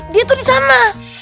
dia tuh di sana